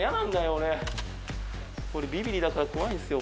俺ビビリだから怖いんですよ